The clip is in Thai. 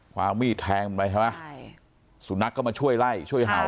ความมีดแทงมันไปใช่ไหมใช่สุนัขก็มาช่วยไล่ช่วยเห่า